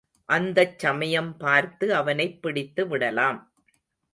அந்தச் சமயம் பார்த்து அவனைப் பிடித்துவிடலாம்.